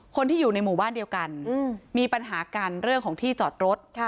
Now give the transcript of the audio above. คนที่อยู่ในหมู่บ้านเดียวกันมีปัญหากันเรื่องของที่จอดรถ